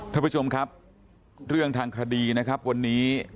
ท่านผู้ชมครับเรื่องทางคดีนะครับวันนี้